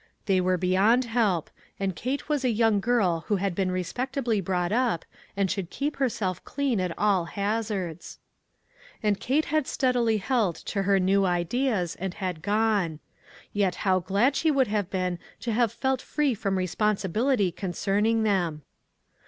They were beyond help ; and Kate was a young girl who had been respectably brought up, and should keep herself clean at all hazards. And Kate had steadily held to her new ideas, and had gone. Yet how glad she would have been to have felt free from responsibility concerning them